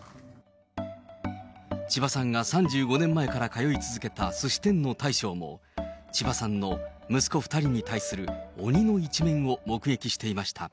千葉さんが３５年前から通い続けたすし店の大将も、千葉さんの息子２人に対する鬼の一面を目撃していました。